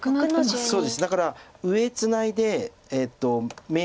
そうですだから上ツナいで眼を。